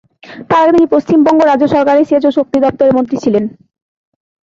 তার আগে তিনি পশ্চিমবঙ্গ রাজ্য সরকারের সেচ ও শক্তি দপ্তরের মন্ত্রী ছিলেন।